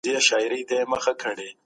دا زموږ ايمان دی.